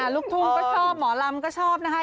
ลูกทุ่งก็ชอบหมอลำก็ชอบนะคะ